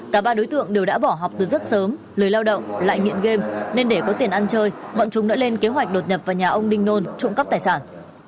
cả ba đối tượng đều đã bỏ học từ rất sớm lời lao động lại nghiện game nên để có tiền ăn chơi bọn chúng đã lên kế hoạch đột nhập vào nhà ông đinh nôn trộm cắp tài sản